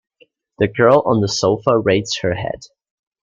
The girl on the sofa raised her head.